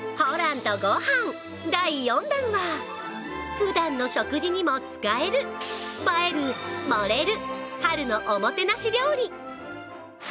ふだんの食事にも使える、映える盛れる、春のおもてなし料理。